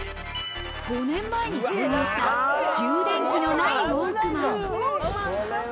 ５年前に購入した充電器のないウォークマン。